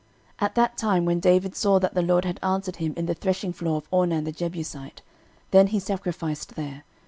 13:021:028 At that time when David saw that the LORD had answered him in the threshingfloor of Ornan the Jebusite, then he sacrificed there.